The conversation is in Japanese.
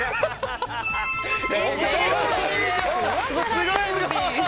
すごいすごい！